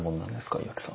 岩木さん。